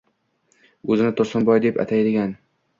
O‘zini Tursunboy deb atayotgan